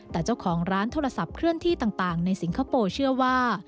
แต่เจ้าของร้านโทรศัพท์เคลื่อนที่ต่างในสิงคโปร์เชื่อว่า